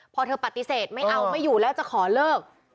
พอเธอปฏิเสธไม่เอาไม่อยู่แล้วจะขอเลิก